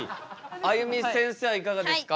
あゆみせんせいはいかがですか？